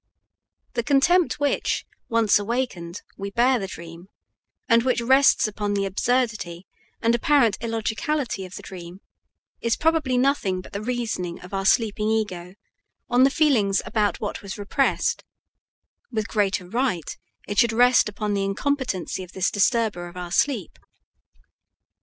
The contempt which, once awakened, we bear the dream, and which rests upon the absurdity and apparent illogicality of the dream, is probably nothing but the reasoning of our sleeping ego on the feelings about what was repressed; with greater right it should rest upon the incompetency of this disturber of our sleep.